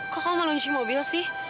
kok kamu lunci mobil sih